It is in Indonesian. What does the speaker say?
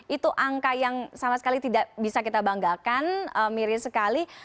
itu angka yang sama sekali tidak bisa kita banggakan mirip sekali